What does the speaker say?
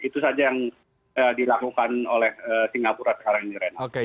itu saja yang dilakukan oleh singapura sekarang ini renat